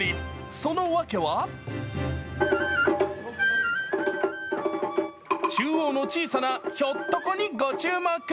そのわけは中央の小さなひょっとこにご注目。